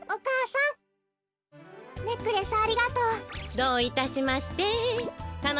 どういたしまして。